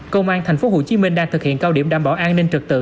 công an thành phố hồ chí minh đang thực hiện cao điểm đảm bảo an ninh trực tự